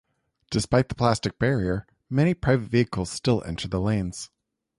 Despite the plastic barrier, many private vehicles still enter the lanes.